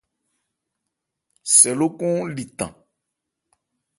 Sɛ lókɔn li tan.